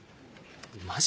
マジ？